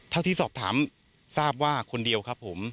เท่าที่สอบถามทราบว่าคนเดียวครับผม